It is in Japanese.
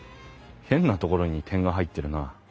変なところに点が入ってるな。